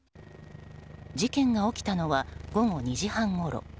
事件が起きたのは午後２時半ごろ。